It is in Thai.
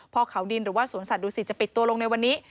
พอเขาดินหรือว่าสวนสัตวศิษฐจะปิดตัวลงในวันนี้